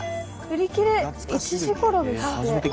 売り切れ１時ごろですって。